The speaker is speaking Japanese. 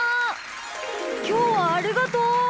きょうはありがとう！